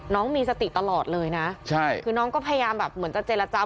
น้องมีสติตลอดเลยนะใช่คือน้องก็พยายามแบบเหมือนจะเจรจา